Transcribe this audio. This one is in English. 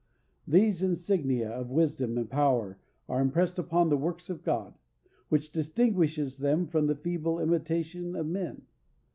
These insignia of wisdom and power are impressed upon the works of God, which distinguishes them from the feeble imitation of men.